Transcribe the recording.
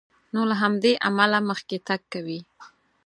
نو له همدې امله مخکې تګ کوي.